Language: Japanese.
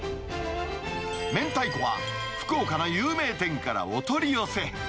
明太子は、福岡の有名店からお取り寄せ。